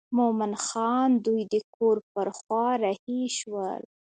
مومن خان دوی د کور پر خوا رهي شول.